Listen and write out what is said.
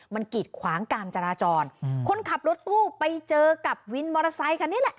มันกีดขวางการจราจรคนขับรถตู้ไปเจอกับวินมอเตอร์ไซคันนี้แหละ